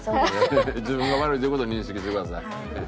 自分が悪いって事を認識してください。